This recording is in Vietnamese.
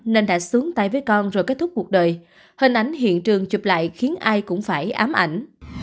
nên đã sướng tay với con rồi kết thúc cuộc đời hình ánh hiện trường chụp lại khiến ai cũng phải ám ảnh